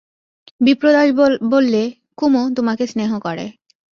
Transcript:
বিপ্রদাস বললে, কুমু তোমাকে স্নেহ করে।